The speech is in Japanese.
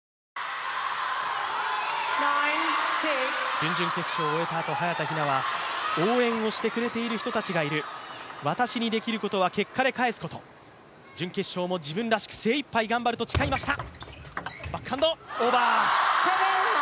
準々決勝を終えたあと早田ひなは応援してくれている人たちがいる、私にできることは結果で返すこと、準決勝も自分らしく精いっぱい頑張ると誓いました。